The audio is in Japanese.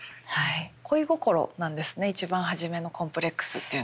恋心なんですね一番初めのコンプレックスっていうのが。